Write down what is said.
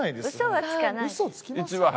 はい。